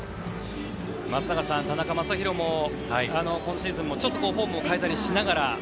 松坂さん、田中将大も今シーズンもフォームを変えたりしながら。